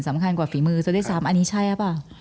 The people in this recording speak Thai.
สำคัญกว่าฝีมือซะด้วยซ้ำอันนี้ใช่หรือเปล่า